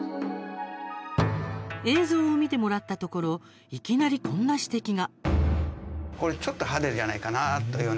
映像を見てもらったところいきなり、こんな指摘が。